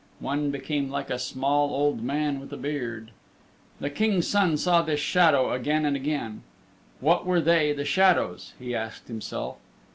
One became like a small old man with a beard. The King's Son saw this shadow again and again. What were they, the shadows, he asked himself?